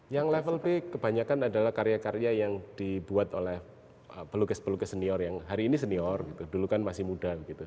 yang level b kebanyakan adalah karya karya yang dibuat oleh pelukis pelukis senior yang hari ini senior gitu dulu kan masih muda gitu